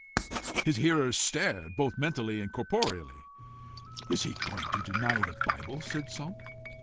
His hearers stared both mentally and corporeally. "Is he going to deny the Bible?" said some.